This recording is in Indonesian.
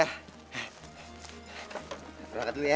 berangkat dulu ya